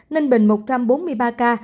ninh bình một trăm bốn mươi ba ca